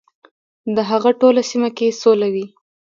د هغه ټوله سیمه کې سوله وي .